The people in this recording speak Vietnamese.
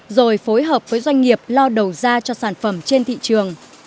rồi phối hợp với doanh nghiệp lo đầu ra cho sản phẩm trên thị trường